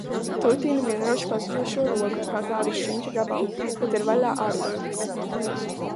Tu tin Vienroča pazudušo roku kā tādu šķiņķa gabalu, bet ir vaļā ārdurvis!